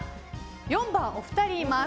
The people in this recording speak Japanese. ４番、お二人います。